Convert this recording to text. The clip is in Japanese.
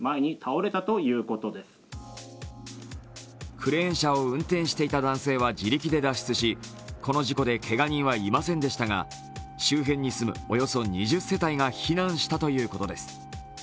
クレーン車を運転していた男性は自力で脱出し、この事故でけが人はいませんでしたが、周辺に住むおよそ２０世帯が避難したということです。